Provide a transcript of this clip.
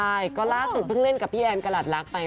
ใช่ก็ล่าสุดเพิ่งเล่นกับพี่แอนกระหลัดรักไป